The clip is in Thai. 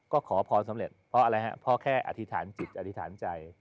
ก็ขอพรสำเร็จเพราะอะไรฮะเพราะแค่อธิษฐานจิตอธิษฐานใจ